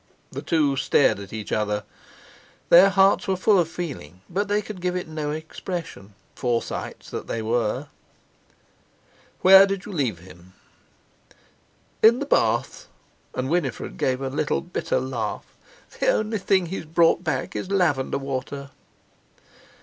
The two stared at each other. Their hearts were full of feeling, but they could give it no expression—Forsytes that they were. "Where did you leave him?" "In the bath," and Winifred gave a little bitter laugh. "The only thing he's brought back is lavender water."